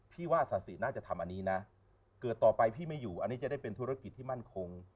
พี่ว่าศาสิน่าจะทำอันนี้นะเกิดต่อไปพี่ไม่อยู่อันนี้จะได้เป็นธุรกิจที่มั่นคง